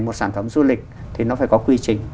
một sản phẩm du lịch thì nó phải có quy trình